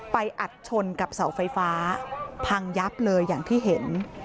อัดชนกับเสาไฟฟ้าพังยับเลยอย่างที่เห็น